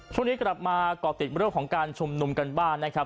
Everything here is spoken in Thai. ช่วงนี้กลับมาก่อติดเรื่องของการชุมนุมกันบ้านนะครับ